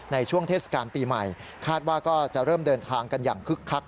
ในช่วงเทศกาลปีใหม่คาดว่าก็จะเริ่มเดินทางกันอย่างคึกคัก